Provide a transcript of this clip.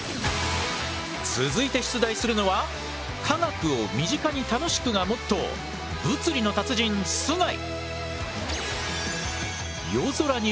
続いて出題するのは科学を身近に楽しくがモットー物理の達人須貝。